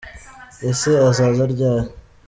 Ese azaza ryari?